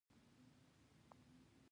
د نورو حاکمانو مرستې مالي سرچینې دي.